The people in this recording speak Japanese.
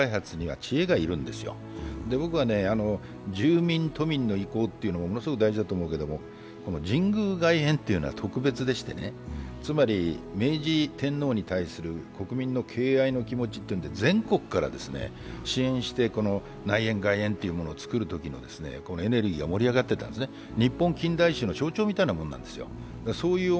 僕は住民・都民の意向というのも大事だと思うけど、神宮外苑というのは特別でしてね、つまり明治天皇に対する国民の敬愛の気持ちで全国から支援して、内苑外苑というのを作るときのエネルギーが盛り上がっていたんですね、日本近代史の象徴みたいなものなんですよ。